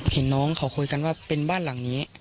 เห็นน้องเขาคุยกันว่าเป็นบ้านหลังนี้